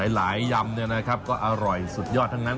ยำก็อร่อยสุดยอดทั้งนั้น